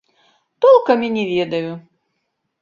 Толкам і не ведаю.